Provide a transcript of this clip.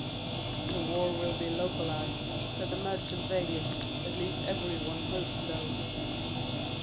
"The war will be localised," said the Merchant vaguely; "at least every one hopes so."